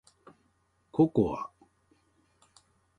ココア